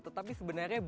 tetapi sebenarnya banyak